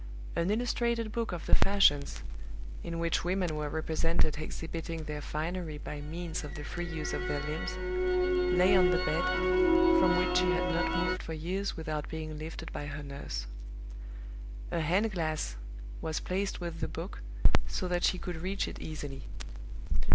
An illustrated book of the fashions, in which women were represented exhibiting their finery by means of the free use of their limbs, lay on the bed, from which she had not moved for years without being lifted by her nurse. A hand glass was placed with the book so that she could reach it easily.